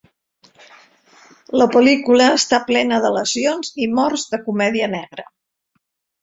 La pel·lícula està plena de lesions i morts de comèdia negra.